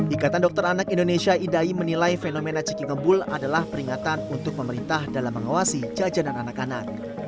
ikatan dokter anak indonesia idai menilai fenomena ciki ngembul adalah peringatan untuk pemerintah dalam mengawasi jajanan anak anak